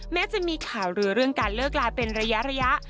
แม้จะมีข่าวลือเรื่องการเลิกลาเป็นระยะ